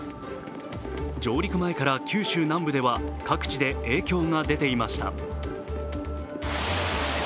上陸前から九州南部では各地で影響が出ていました。